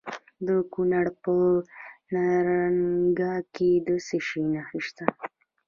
د کونړ په نرنګ کې د څه شي نښې دي؟